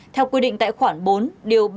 theo quy định tài khoản bốn điều ba trăm sáu mươi ba